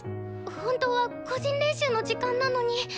ほんとは個人練習の時間なのに。